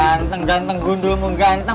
ganteng ganteng gundulmu ganteng